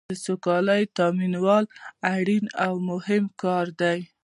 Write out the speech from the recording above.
د سوکالۍ تامینول اړین او مهم کار دی.